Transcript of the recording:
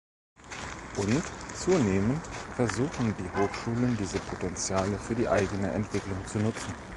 Und: „Zunehmend versuchen die Hochschulen diese Potentiale für die eigene Entwicklung zu nutzen.